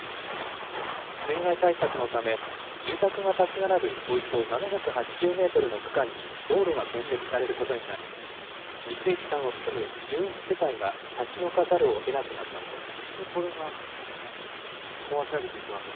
水害対策のため、住宅が建ち並ぶおよそ７８０メートルの区間に、道路が建設されることになり、三石さんを含む１１世帯が立ち退かざるをえなくなったのです。